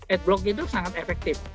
adblock itu sangat efektif